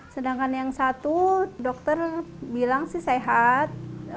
sedangkan yang satu dokter bilang sih sehat